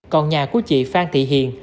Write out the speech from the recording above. còn nhà của chị phan thị hiền